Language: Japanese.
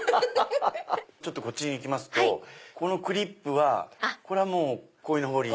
ちょっとこっちにいきますとこのクリップはこいのぼりに。